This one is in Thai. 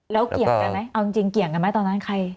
แล้วเกี่ยงกันไหมเอาจริงเกี่ยงกันไหมตอนนั้นใคร